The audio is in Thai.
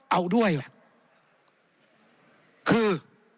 เอาด้วยคือ